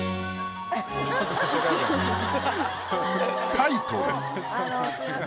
タイトル。